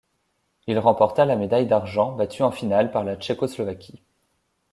Il remporta la médaille d'argent, battu en finale par la Tchécoslovaquie.